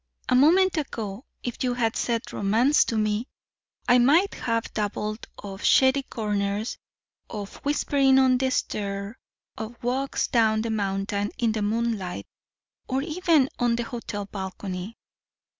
A moment ago if you had said romance to me, I might have babbled of shady corners, of whisperings on the stair, of walks down the mountain in the moonlight or even on the hotel balcony."